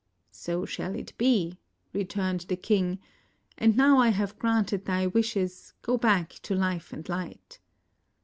"So shall it be," returned the king; "and now I have granted thy wishes, go back to life and light."